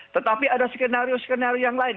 tetapi ada skenario skenario yang lain